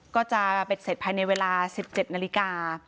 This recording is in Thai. ก็จะเป็นเสร็จภายในเวลา๑๗นาฬิกา